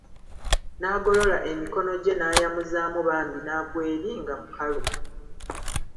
N'agolola emikono gye n'ayamuzaamu bambi n'agwa eri nga mukalu.